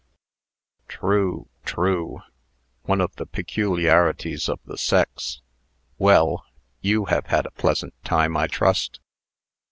"True true! One of the peculiarities of the sex. Well, you have had a pleasant time, I trust?"